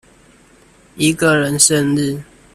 一個人生日